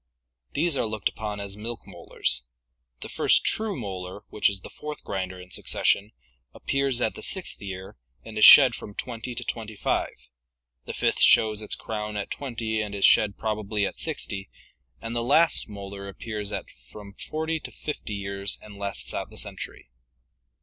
These are looked upon as milk molars. The first true molar, which is the fourth grinder in succession, appears at the sixth year and is shed from twenty to twenty five, the fifth shows its crown at twenty and is shed probably at sixty, and the last molar appears at from forty to fifty years and lasts out the century.